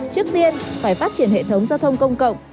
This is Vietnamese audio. trước tiên phải phát triển hệ thống giao thông công cộng